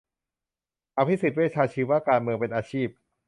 อภิสิทธิ์ เวชชาชีวะ การเมืองเป็นอาชีพ